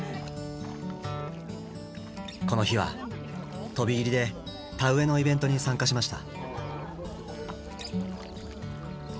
この日は飛び入りで田植えのイベントに参加しました。